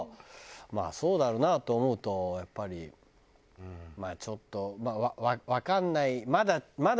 まあそうだろうなと思うとやっぱりまあちょっとわかんない。